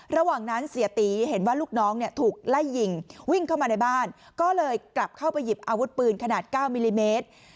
ระหว่างนั้นเสียตีเห็นว่าลูกน้องถูกไล่ยิงวิ่งเข้ามาในบ้านก็เลยกลับเข้าไปหยิบอาวุธปืนขนาด๙มิลลิเมตร